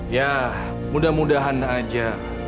ya mudah mudahan aja